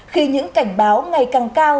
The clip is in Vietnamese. khi những cảnh báo ngày càng cao